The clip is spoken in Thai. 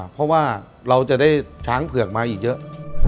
เพราะว่าเราจะได้ช้างเผือกมาอีกเยอะ